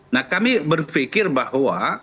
nah kami berpikir bahwa